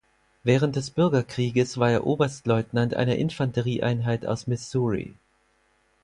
Während des Bürgerkrieges war er Oberstleutnant einer Infanterieeinheit aus Missouri.